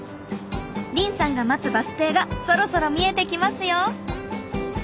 凜さんが待つバス停がそろそろ見えてきますよ。